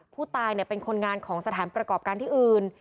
ผู้ตายเป็นคนงานของสถานประกอบการที่อื่น